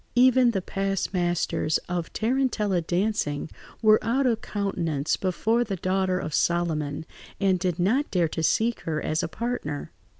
Even the past masters of tarentella dancing were out of countenance before the daughter of Solomon, and did not dare to seek her as a partner.